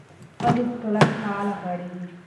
ښځې د ټولنې فعاله غړي دي.